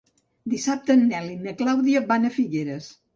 Dissabte en Nel i na Clàudia van a Figueres.